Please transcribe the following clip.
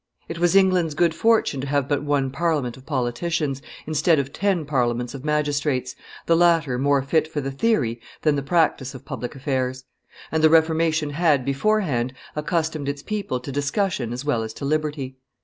It was England's good fortune to have but one Parliament of politicians, instead of ten Parliaments of magistrates, the latter more fit for the theory than the practice of public affairs; and the Reformation had, beforehand, accustomed its people to discussion as well as to liberty.